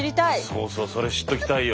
そうそうそれ知っときたいよ。